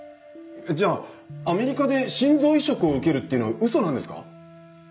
じゃあアメリカで心臓移植を受けるっていうのはウソなんですか？